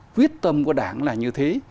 quyết tâm của đảng là như thế